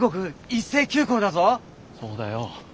そうだよ。